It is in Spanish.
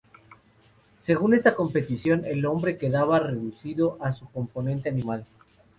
Según esta concepción, el hombre quedaba reducido a su componente animal.